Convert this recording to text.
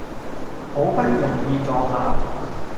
好不容易坐下